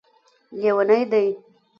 لیوني دی